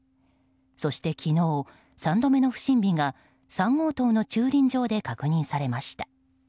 そして昨日、３度目の不審火が３号棟の駐輪場で確認されました。